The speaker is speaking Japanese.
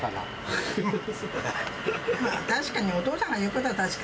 確かに、お父さんが言うことは確か。